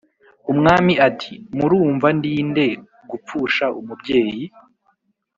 umwami ati ‘murumva, ndinde gupfusha umubyeyi?’